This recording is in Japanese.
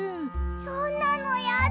そんなのやだ。